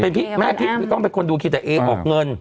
เป็นพี่อ้าวไม่พี่ต้องเป็นคนดูคิดจะเอ๋ออกเงิน